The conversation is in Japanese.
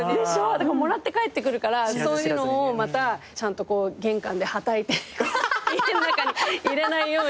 もらって帰ってくるからそういうのをまたちゃんと玄関ではたいて家の中に入れないように。